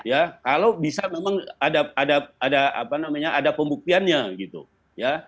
ya kalau bisa memang ada ada apa namanya ada pembuktiannya gitu ya